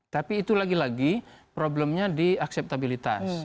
tapi itu lagi lagi problemnya di akseptabilitas